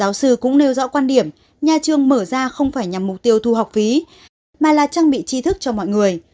giáo sư cũng nêu rõ quan điểm nhà trường mở ra không phải nhằm mục tiêu thu học phí mà là trang bị chi thức cho mọi người